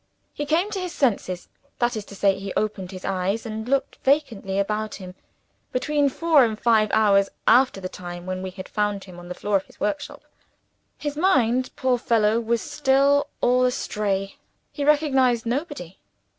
He came to his senses that is to say, he opened his eyes and looked vacantly about him between four and five hours after the time when we had found him on the floor of the workshop. His mind, poor fellow, was still all astray. He recognized nobody.